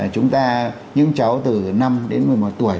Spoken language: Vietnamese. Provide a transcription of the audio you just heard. chúng ta những cháu từ năm đến một mươi một tuổi